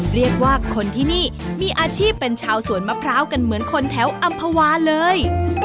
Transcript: เรียกว่าคนที่นี่มีอาชีพเป็นชาวสวนมะพร้าวกันเหมือนคนแถวอำภาวาเลย